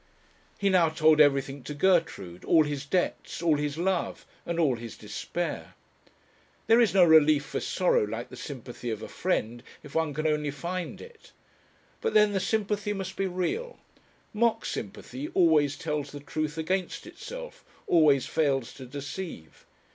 He now told everything to Gertrude, all his debts, all his love, and all his despair. There is no relief for sorrow like the sympathy of a friend, if one can only find it. But then the sympathy must be real; mock sympathy always tells the truth against itself, always fails to deceive.